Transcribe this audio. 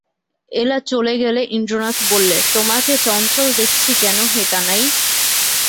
এলা চলে গেলে ইন্দ্রনাথ বললে, তোমাকে চঞ্চল দেখছি কেন হে কানাই?